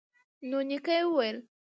نو نیکه یې وویل